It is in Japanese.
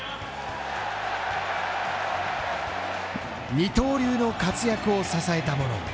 二刀流の活躍を支えたもの。